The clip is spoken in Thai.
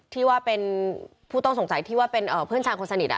ที่ว่าเป็นผู้ต้องสงสัยที่ว่าเป็นเพื่อนชายคนสนิท